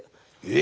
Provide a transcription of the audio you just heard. え！